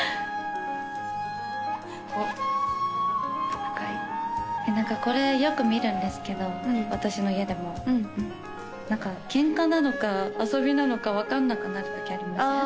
おっ戦い何かこれよく見るんですけど私の家でも何かケンカなのか遊びなのか分かんなくなる時ありません？